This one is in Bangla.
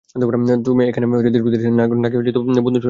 তুই এখানে ডিউটিতে এসেছিস নাকি বন্ধু-স্বজন বানাতে এসেছিস?